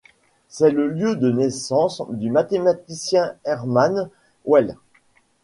C'est le lieu de naissance du mathématicien Hermann Weyl.